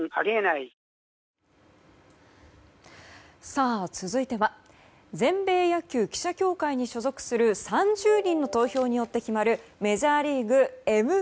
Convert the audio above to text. さあ、続いては全米野球記者協会に所属する３０人の投票によって決まるメジャーリーグＭＶＰ。